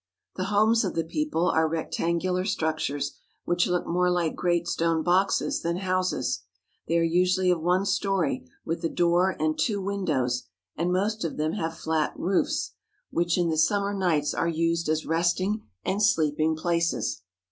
The homes of the people are rectangular structures, which look more like great stone boxes than houses. They are usually of one story, with a door and two win dows, and most of them have flat roofs, which in the 177 THE HOLY LAND AND SYRIA summer nights are used as resting and sleeping places.